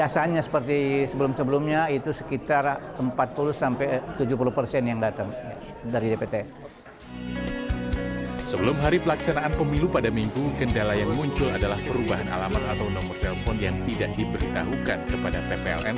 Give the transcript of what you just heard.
sebelum hari pelaksanaan pemilu pada minggu kendala yang muncul adalah perubahan alamat atau nomor telepon yang tidak diberitahukan kepada ppln